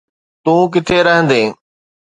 تون ڪٿي رهندين؟